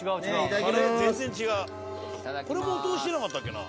これもお通しじゃなかったっけな？